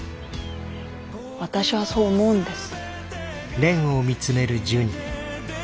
私はそう思うんです。